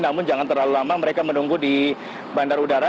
namun jangan terlalu lama mereka menunggu di bandara udara